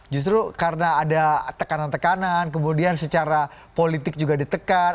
justru karena ada tekanan tekanan kemudian secara politik juga ditekan